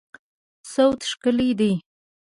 صوت ښکلی دی